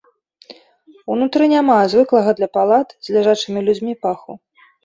Унутры няма звыклага для палат з ляжачымі людзьмі паху.